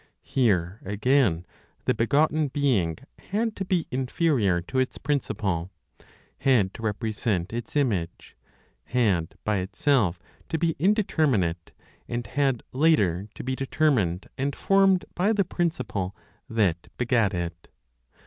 Here again the begotten being had to be inferior to its principle, had to represent its image, had, by itself, to be indeterminate, and had later to be determined and formed by the principle that begat it.